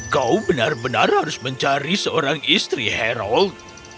kau benar benar harus mencari seorang istri hairold